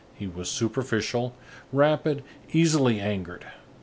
He was superficial, rapid, easily angered.